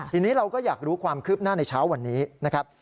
ทีนี้เราก็อยากรู้ความคืบหน้าในเช้าวันนี้นะครับ